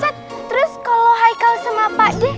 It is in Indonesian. terus kalo haika sama pak d